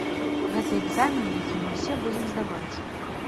Гэта экзамен, які мы ўсе будзем здаваць.